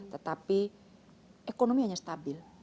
tetapi ekonomi hanya stabil